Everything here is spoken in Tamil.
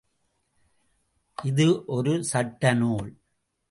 இது ஒரு சட்ட நூல்.